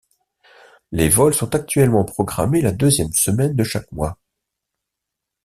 Les vols sont actuellement programmés la deuxième semaine de chaque mois.